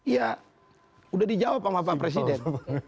ya sudah dijawab sama pak presiden